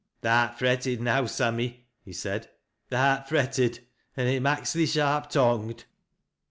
''" Tha'rt fretted now, Sammy," he said. " Tha'rt fret ted, an' it maks thee sharp tongued."